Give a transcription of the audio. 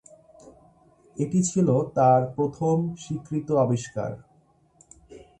এটি ছিল তাঁর প্রথম স্বীকৃত আবিষ্কার।